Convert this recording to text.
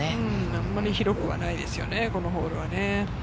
あんまり広くないですよね、このホールは。